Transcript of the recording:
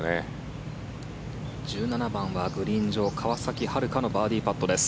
１７番はグリーン上川崎春花のバーディーパットです。